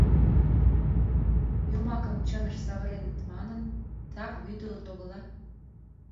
Йомакым чыныш савыреныт манын, так вӱдылыт огыла.